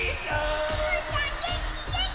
うーたんげんきげんき！